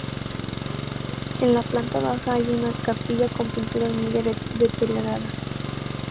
En la planta baja hay una capilla con pinturas muy deterioradas.